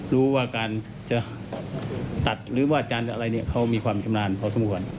รู้ว่าการจะตัดหรือวาดจานอะไรเขามีความชำนาญพลสมุทธ